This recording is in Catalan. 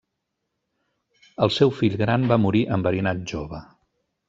El seu fill gran va morir enverinat jove.